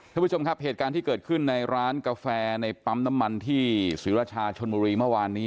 ท่านผู้ชมครับเหตุการณ์ที่เกิดขึ้นในร้านกาแฟในปั๊มน้ำมันที่ศรีราชาชนบุรีเมื่อวานนี้